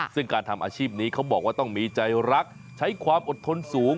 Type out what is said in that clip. ซึ่งการทำอาชีพนี้เขาบอกว่าต้องมีใจรักใช้ความอดทนสูง